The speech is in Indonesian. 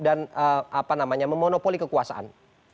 dan memonopoli kekuasaan